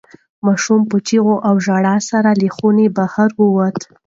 ماشوم په چیغو او ژړا سره له خونې بهر ووت.